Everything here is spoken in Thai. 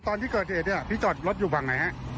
ตอนที่เกิดเหตุเนี่ยพี่จอดรถอยู่ฝั่งไหนฮะ